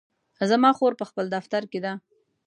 زما خور په خپل دفتر کې ده